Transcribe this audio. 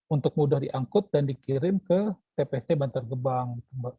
untuk mudah diangkut dan dikirim ke tpst bantar gebang